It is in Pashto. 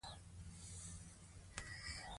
الله تعالی انسان ته هغه څه ور زده کړل چې نه پوهېده.